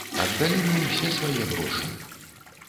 Аддалі мы ўсе свае грошы.